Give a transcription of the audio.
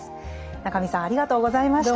中見さんありがとうございました。